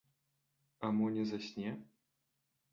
А мо не засне?